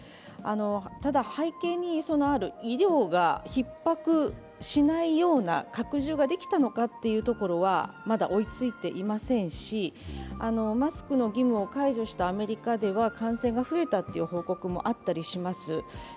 ただ背景にある医療がひっ迫しないような拡充ができたのかというところはまだ追いついていませんし、マスクの義務を解除したアメリカでは感染が増えたという報告もあったりします。